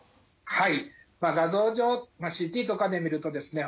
はい画像上まあＣＴとかで見るとですね